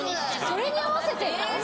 それに合わせてんの？